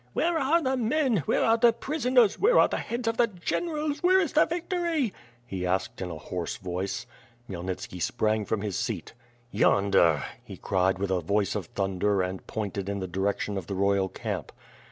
"Where are the mm, where are the prisoners, where are the heads of the generals, where is the victory?" he asked in a hoarse voice. Khmyelnitski sprang from his seat. "Yonder," he cried with a voice of thunder and pointed in the direction of the royal camp.